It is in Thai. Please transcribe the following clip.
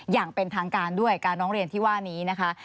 อย่างเป็นทางการด้วยการร้องเรียนที่ว่านี้นะคะ